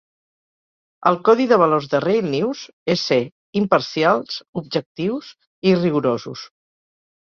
El codi de valors de "Railnews" és ser "imparcials, objectius i rigorosos".